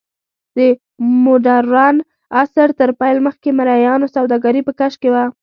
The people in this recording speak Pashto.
د موډرن عصر تر پیل مخکې مریانو سوداګري په کش کې وه.